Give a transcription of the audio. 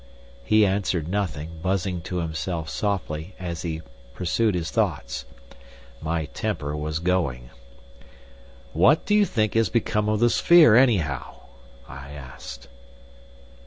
He answered nothing, buzzing to himself softly, as he pursued his thoughts. My temper was going. "What do you think has become of the sphere, anyhow?" I asked.